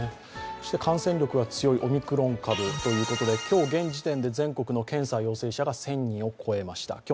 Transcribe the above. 感染力が強いオミクロン株ということで今日時点の全国の検査陽性者が１０００人を超えました。